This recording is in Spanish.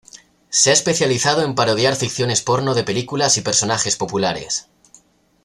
Se ha especializado en parodiar ficciones porno de películas y personajes populares.